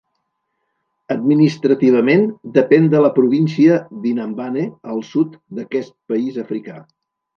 Administrativament depèn de la província d'Inhambane al sud d'aquest país africà.